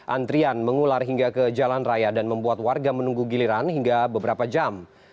antrian mengular hingga ke jalan raya dan membuat warga menunggu giliran hingga beberapa jam